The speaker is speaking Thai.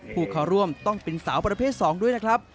ผู้เข้าร่วมต้องเป็นสาวประเภท๒ด้วยนะครับ